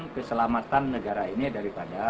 keselamatan negara ini daripada